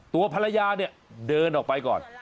ตัวภรรยาเดินออกไปก่อน